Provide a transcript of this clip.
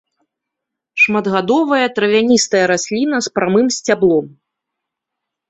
Шматгадовая травяністая расліна з прамым сцяблом.